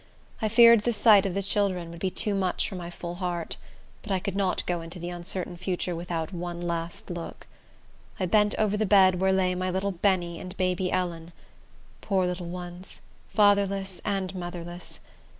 I feared the sight of my children would be too much for my full heart; but I could not go into the uncertain future without one last look. I bent over the bed where lay my little Benny and baby Ellen. Poor little ones! fatherless and motherless!